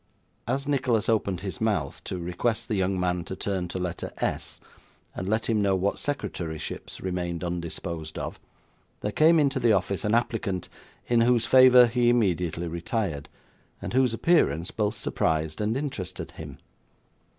As Nicholas opened his mouth, to request the young man to turn to letter S, and let him know what secretaryships remained undisposed of, there came into the office an applicant, in whose favour he immediately retired, and whose appearance both surprised and interested him.